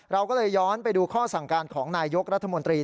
เราก็เลยย้อนไปดูข้อสั่งการของนายยกรัฐมนตรี